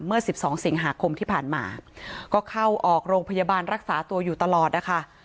เมื่อ๑๒สิงหาคมที่ผ่านมาก็เข้าออกโรงพยาบาลรักษาตัวอยู่ตลอดนะคะ